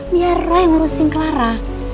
biar roy ngurusin clara